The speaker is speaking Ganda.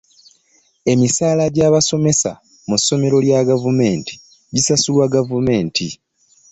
Emisaala gya basomesa mu ssomero lya gavumenti gisalulwa gavumenti.